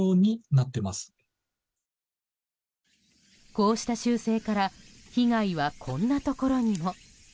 こうした習性から被害はこんなところにも。